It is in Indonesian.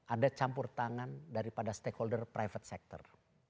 ada campur tangan daripada stakeholder private sector